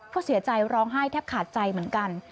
ก็เสียใจร้องไห้แทบขาดใจเหมือนกัน